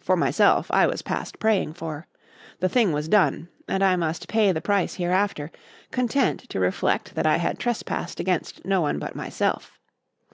For myself, I was past praying for. The thing was done and I must pay the price hereafter, content to reflect that I had trespassed against no one but myself.